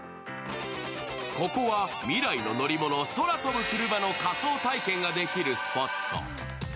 ここは未来の乗り物、空飛ぶクルマの仮想体験ができるスポット。